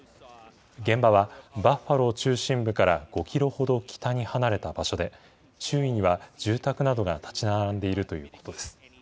現場は、バッファロー中心部から５キロほど北に離れた場所で、周囲には住宅などが建ち並んでいるということです。